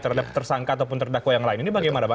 terhadap tersangka atau terdakwa yang lain ini bagaimana bang